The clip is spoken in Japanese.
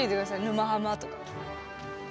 「沼ハマ」とか。